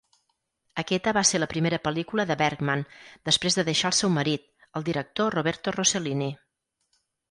Aquesta va ser la primera pel·lícula de Bergman després de deixar al seu marit, el director Roberto Rossellini.